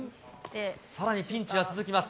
さらにピンチが続きます。